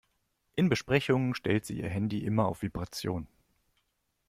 In Besprechungen stellt sie ihr Handy immer auf Vibration.